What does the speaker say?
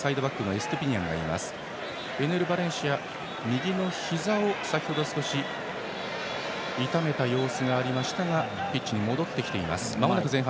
エネル・バレンシア、右のひざを先程、少し痛めた様子がありましたがピッチに戻ってきています。